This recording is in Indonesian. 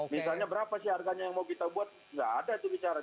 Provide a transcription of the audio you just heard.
misalnya berapa sih harganya yang mau kita buat nggak ada itu bicara